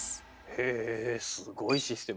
へえすごいシステム。